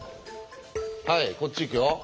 はいこっち行くよ。